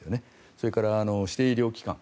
それから指定医療機関